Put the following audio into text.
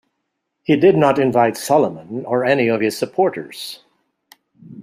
He did not invite Solomon or any of his supporters.